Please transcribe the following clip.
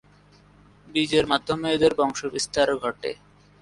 বীজের মাধ্যমে এদের বংশবিস্তার ঘটে।